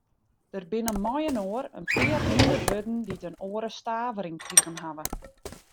Der binne mei-inoar in pear hûndert wurden dy't in oare stavering krigen hawwe.